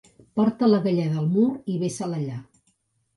Porta la galleda al mur i vessar-la allà.